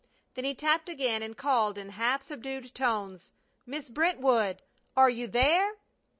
Then he tapped again, and called, in half subdued tones: "Miss Brentwood! Are you there?"